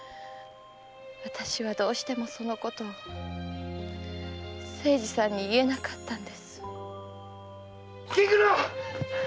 私はどうしてもそのことを清次さんに言えなかったんです。